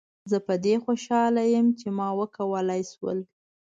زه په دې خوشحاله یم چې ما وکولای شول.